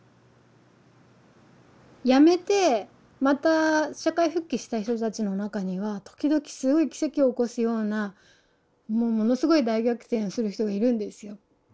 やめてまた社会復帰した人たちの中には時々すごい奇跡を起こすようなものすごい大逆転する人がいるんですよ。